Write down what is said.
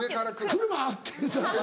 「車？」って言うたら。